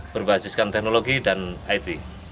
berbasiskan teknologi dan it